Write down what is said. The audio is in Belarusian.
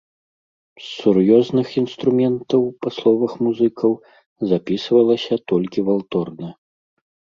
З сур'ёзных інструментаў, па словах музыкаў, запісвалася толькі валторна.